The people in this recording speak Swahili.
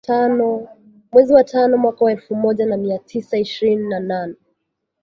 Mwezi wa tano mwaka wa elfu moja mia tisa ishirini na nane